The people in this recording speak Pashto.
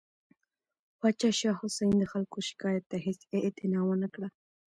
پاچا شاه حسین د خلکو شکایت ته هیڅ اعتنا ونه کړه.